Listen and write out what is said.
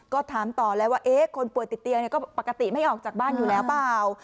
ก็ถามต่อแล้วว่าคนป่วยติดเตียงก็ปกติไม่ออกจากบ้านอยู่แล้วเปล่า